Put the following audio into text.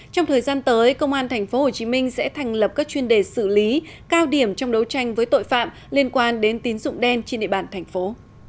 trong thời gian tới công an tp hcm sẽ thành lập các chuyên đề xử lý cao điểm trong đấu tranh với tội phạm liên quan đến tín dụng đen trên địa bàn thành phố